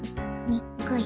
にっこり。